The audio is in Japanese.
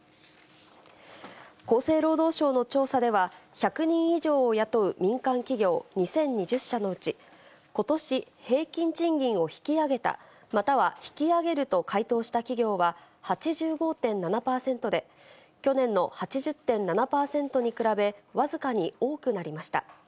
厚生労働省の調査では、１００人以上を雇う民間企業２０２０社のうち、ことし、平均賃金を引き上げた、または引き上げると回答した企業は８５．７％で、去年の８０．７％に比べ、僅かに多くなりました。